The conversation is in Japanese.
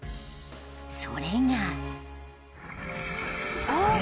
それが］